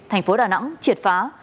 thành phố đà nẵng triệt phá